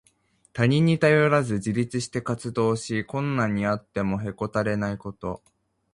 他人に頼らず自立して活動し、困難にあってもへこたれないこと。